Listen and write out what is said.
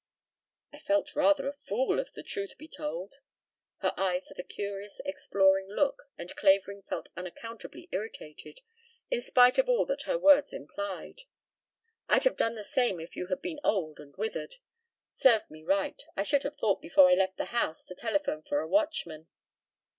"I felt rather a fool if the truth be told." Her eyes had a curious exploring look and Clavering felt unaccountably irritated, in spite of all that her words implied. "I'd have done the same if you had been old and withered. Served me right. I should have thought before I left the house to telephone for a watchman."